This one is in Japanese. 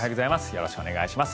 よろしくお願いします。